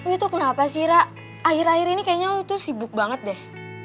itu kenapa sih ra akhir akhir ini kayaknya lu tuh sibuk banget deh